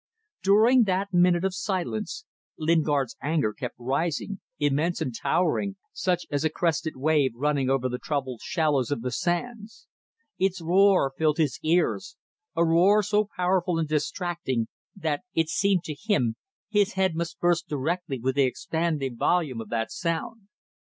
During that minute of silence Lingard's anger kept rising, immense and towering, such as a crested wave running over the troubled shallows of the sands. Its roar filled his cars; a roar so powerful and distracting that, it seemed to him, his head must burst directly with the expanding volume of that sound.